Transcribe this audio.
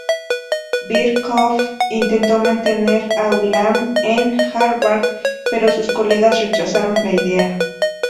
Birkhoff Intentó mantener a Ulam en Harvard, pero sus colegas rechazaron la idea.